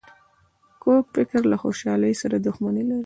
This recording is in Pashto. کوږ فکر له خوشحالۍ سره دښمني لري